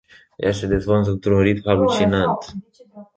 Ea se dezvoltă într-un ritm halucinant.